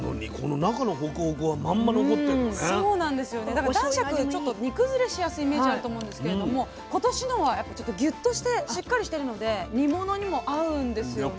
だから男爵ちょっと煮崩れしやすいイメージあると思うんですけれども今年のはギュッとしてしっかりしてるので煮物にも合うんですよね。